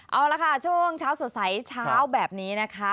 เอาละค่ะช่วงเช้าสดใสเช้าแบบนี้นะคะ